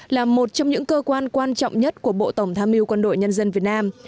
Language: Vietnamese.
là một trong những cơ quan quan trọng nhất của bộ tổng tham mưu quân đội nhân dân việt nam